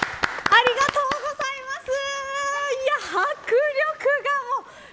ありがとうございます。